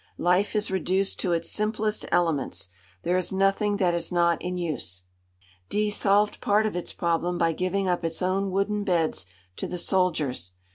Life is reduced to its simplest elements. There is nothing that is not in use. D solved part of its problem by giving up its own wooden beds to the soldiers.